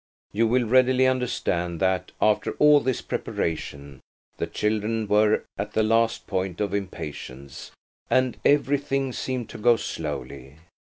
You will readily understand that, after all this preparation, the children were at the last point of impatience, and everything seemed to go slowly.